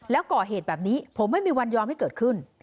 แล้วก่อเหตุแบบนี้ผมไม่มีวันยอมให้เกิดขึ้น